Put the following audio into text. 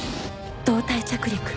胴体着陸。